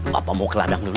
bapak mau ke ladang dulu